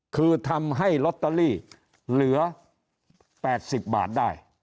คือทำให้ลอตเตอรี่เหลือ๘๐บาทได้